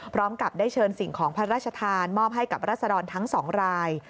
พร้อมกับได้เชิญสิ่งของพระราชทานมอบให้กับรัศดรทั้ง๒ราย